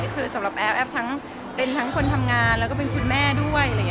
คือสำหรับแอฟทั้งเป็นทั้งคนทำงานแล้วก็เป็นคุณแม่ด้วย